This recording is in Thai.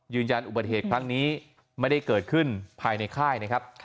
อุบัติเหตุครั้งนี้ไม่ได้เกิดขึ้นภายในค่ายนะครับ